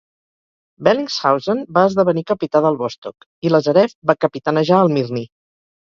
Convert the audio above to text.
Bellingshausen va esdevenir capità del "Vostok", i Lazarev va capitanejar el "Mirny".